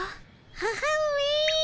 母上！